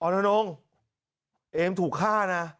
อ๋อนน้องเอมถูกฆ่านะ